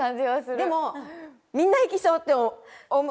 でもみんな行きそうって思う。